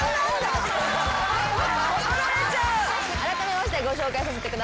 あらためましてご紹介させてください。